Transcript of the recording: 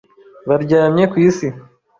Baryamye ku isi